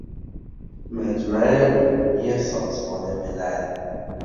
مجمع عمومی سازمان ملل متحد